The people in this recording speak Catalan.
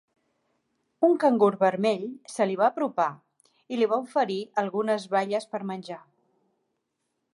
Un cangur vermell se li va apropar i li va oferir algunes baies per menjar.